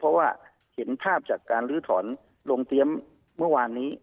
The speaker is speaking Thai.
เพราะว่าเห็นภาพจากการลื้อถอนโรงเตรียมเมื่อวานนี้